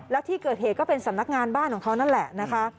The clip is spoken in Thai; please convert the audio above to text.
แล้วที่เกิดเหตุก็เป็นสำนักงานบ้านของเขานั่นแหละนะคะ